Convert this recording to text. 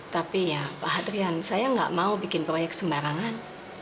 tapi ya pak adrian saya nggak mau bikin proyek sembarangan